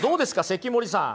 関森さん